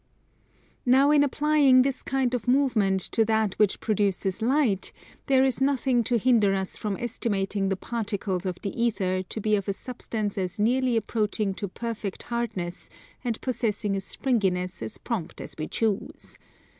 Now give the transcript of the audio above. Now in applying this kind of movement to that which produces Light there is nothing to hinder us from estimating the particles of the ether to be of a substance as nearly approaching to perfect hardness and possessing a springiness as prompt as we choose.